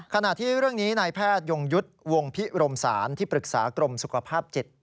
ขณะที่เรื่องนี้นายแพทยงยุทธ์วงพิรมศาลที่ปรึกษากรมสุขภาพจิต